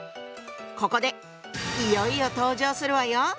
ここでいよいよ登場するわよ。